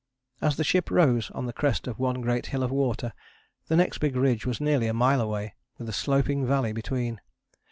As the ship rose on the crest of one great hill of water the next big ridge was nearly a mile away, with a sloping valley between.